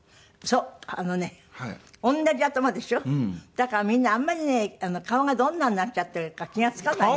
だからみんなあんまりね顔がどんなになっちゃってるか気が付かないのよ。